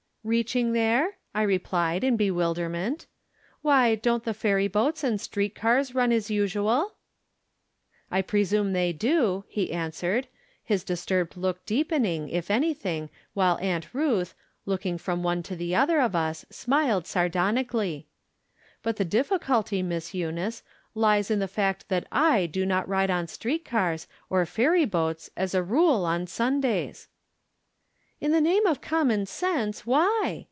"Eeaching there?" I repeated, in bewilder ment. " Why, don't the ferry boats and street cars run as usual ?" 220 From Different Standpoints. ■"I presume they do," he answered, his dis turbed look deepening, if anything, while Aunt Ruth, looking from one to the other of us, smiled sardonically. " But the difficulty. Miss Eunice, lies in the fact that J do not ride on street cars, or ferry boats, as a rule, on Sundays." "In the name of common sense, why?"